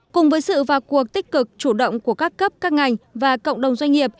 cùng với sự và cuộc tích cực chủ động của các cấp các ngành và cộng đồng doanh nghiệp